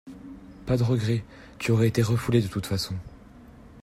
Pas de regret, tu aurais été refoulé, de toute façon!